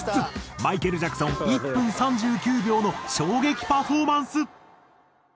マイケル・ジャクソン１分３９秒の衝撃パフォーマンス。